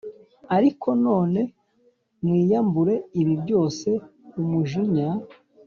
Ariko none mwiyambure ibi byose umujinya